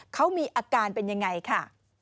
เขามีอาการเป็นยังไงค่ะ